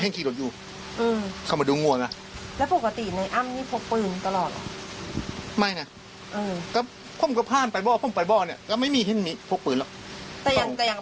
วันนี้ถึงมันก็ไม่มีคนอยู่แล้วก็เลยไปดูที่บ้าน